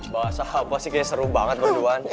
bahasa apa sih kayaknya seru banget keduanya